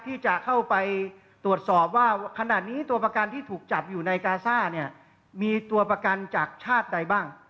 ที่จะเข้าไปตรวจสอบว่าขณะนี้ตัวประกันที่ถูกจับอยู่ในกาซ่าเนี่ยมีตัวประกันจากชาติใดบ้าง